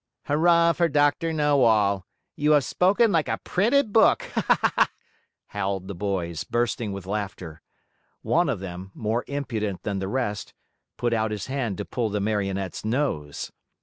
"Hurrah for Dr. Know all! You have spoken like a printed book!" howled the boys, bursting with laughter. One of them, more impudent than the rest, put out his hand to pull the Marionette's nose.